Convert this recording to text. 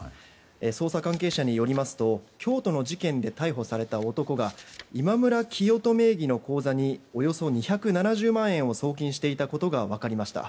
捜査関係者によりますと京都の事件で逮捕された男が今村磨人名義の口座におよそ２７０万円を送金していたことが分かりました。